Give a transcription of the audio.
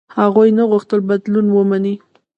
هغوی نه غوښتل بدلون ومني.